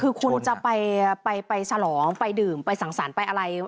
คือคุณจะไปฉลองไปดื่มไปสั่งสรรค์ไปอะไร